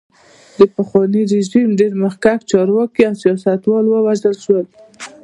د پخواني رژیم ډېر مخکښ چارواکي او سیاستوال ووژل شول.